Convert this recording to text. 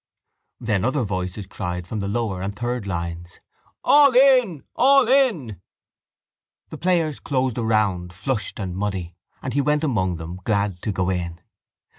Then other voices cried from the lower and third lines: —All in! All in! The players closed around, flushed and muddy, and he went among them, glad to go in.